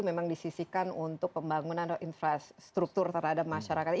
memang disisikan untuk pembangunan infrastruktur terhadap masyarakat